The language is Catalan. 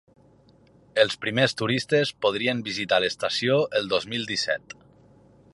Els primers turistes podrien visitar l’estació el dos mil disset.